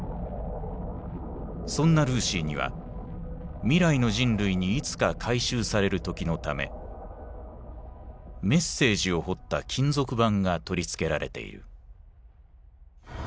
そんなルーシーには未来の人類にいつか回収される時のためメッセージを彫った金属板が取り付けられている。